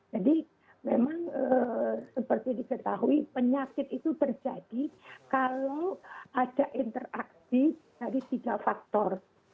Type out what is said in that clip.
jadi memang seperti diketahui penyakit itu terjadi kalau ada interaksi dari tiga faktor